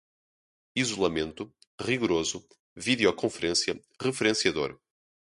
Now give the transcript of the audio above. isolamento, rigoroso, videoconferência, referenciador